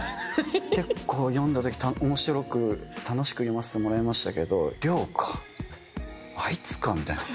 結構面白く、楽しく楽しく読ませてもらいましたけれど亮か、あいつかみたいな。